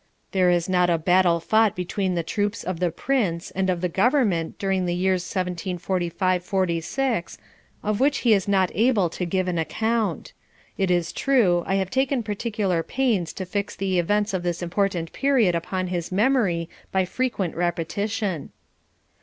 There is not a battle fought between the troops of the Prince and of the Government during the years 1745 46, of which he is not able to give an account. It is true, I have taken particular pains to fix the events of this important period upon his memory by frequent repetition.